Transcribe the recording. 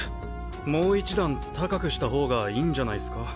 もう１段高くした方がいいんじゃないスか？